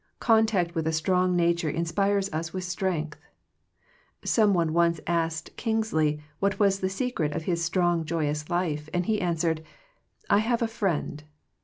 Contact with a strong na ture inspires us with strength. Some one once asked Kingsley what was the secret of his strong joyous life, and he answered, "I had a friend."